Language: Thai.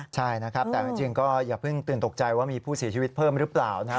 ใช่นะครับแต่จริงก็อย่าเพิ่งตื่นตกใจว่ามีผู้เสียชีวิตเพิ่มหรือเปล่านะครับ